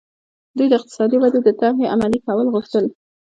دوی د اقتصادي ودې د طرحې عملي کول غوښتل.